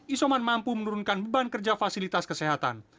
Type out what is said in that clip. isoman mampu menurunkan beban kerja fasilitas kesehatan